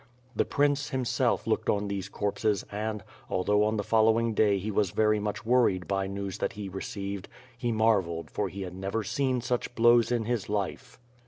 The prince, himself, looked on these corpses and, although on the follow ing day he was very much worried by news that he received, he marvelled for he had never seen such blows in his life.